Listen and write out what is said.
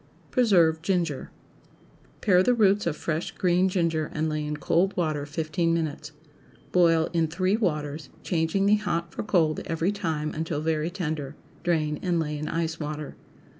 PRESERVED GINGER. ✠ Pare the roots of fresh green ginger and lay in cold water fifteen minutes. Boil in three waters, changing the hot for cold every time, until very tender; drain, and lay in ice water.